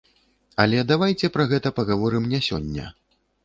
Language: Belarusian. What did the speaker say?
Але давайце пра гэта пагаворым не сёння.